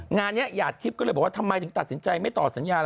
งานเนี่ยหยาดทริปก็เลยบอกว่าทำไมจึงตัดสินใจไม่ตอบสัญญา